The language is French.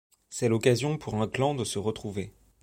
C'est l'occasion pour un clan de se retrouver.